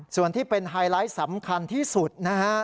ส่วนที่เป็นไฮไลท์สำคัญที่สุดนะฮะ